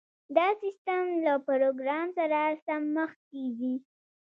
دا سیستم له پروګرام سره سم مخکې ځي